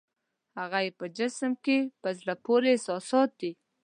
هغه یې په جسم کې په زړه پورې احساسات دي.